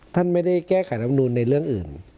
ท่านไม่ได้แก้ไขรับนูลในเรื่องอื่น